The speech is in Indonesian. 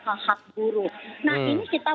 hak hak buruh nah ini kita